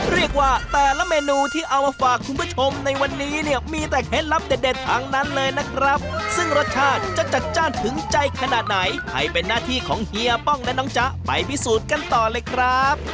เรียกว่าแต่ละเมนูที่เอามาฝากคุณผู้ชมในวันนี้เนี่ยมีแต่เคล็ดลับเด็ดทั้งนั้นเลยนะครับซึ่งรสชาติจะจัดจ้านถึงใจขนาดไหนให้เป็นหน้าที่ของเฮียป้องและน้องจ๊ะไปพิสูจน์กันต่อเลยครับ